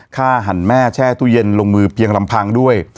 หันแม่แช่ตู้เย็นลงมือเพียงลำพังด้วย